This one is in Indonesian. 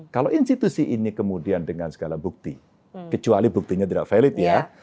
kalau institusi ini kemudian dengan segala bukti kecuali buktinya tidak valid ya